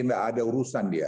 tidak ada urusan dia